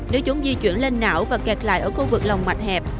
nếu chúng di chuyển lên não và kẹt lại ở khu vực lòng mạch hẹp